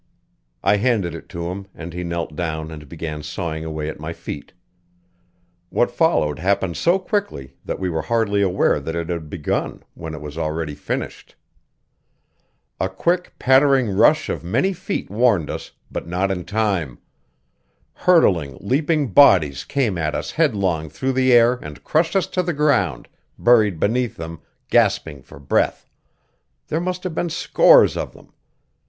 I handed it to him and he knelt down and began sawing away at my feet. What followed happened so quickly that we were hardly aware that it had begun when it was already finished. A quick, pattering rush of many feet warned us, but not in time. Hurtling, leaping bodies came at us headlong through the air and crushed us to the ground, buried beneath them, gasping for breath; there must have been scores of them.